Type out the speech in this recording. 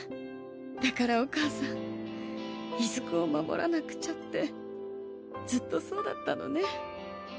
だからお母さん出久を守らなくちゃってずっとそうだったのね。